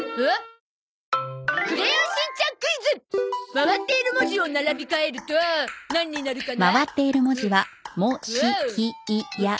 回っている文字を並びかえるとなんになるかな？